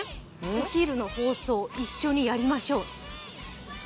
お昼の放送、一緒にやりましょう。